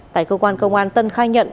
tại cơ quan công an tân khai nhận